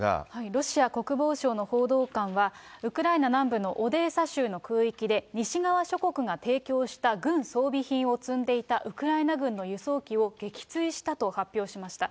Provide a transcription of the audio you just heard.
ロシア国防省の報道官は、ウクライナ南部のオデーサ州の空域で、西側諸国が提供した軍装備品を積んでいたウクライナ軍の輸送機を撃墜したと発表しました。